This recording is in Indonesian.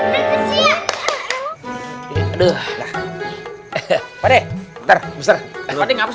mau kamar kecil